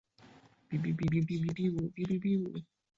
菲律宾是持续实施福布莱特计划最长的国家。